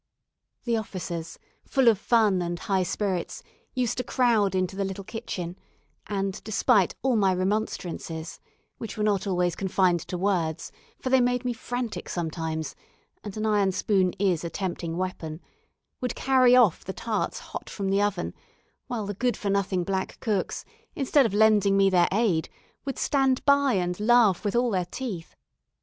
The officers, full of fun and high spirits, used to crowd into the little kitchen, and, despite all my remonstrances, which were not always confined to words, for they made me frantic sometimes, and an iron spoon is a tempting weapon, would carry off the tarts hot from the oven, while the good for nothing black cooks, instead of lending me their aid, would stand by and laugh with all their teeth.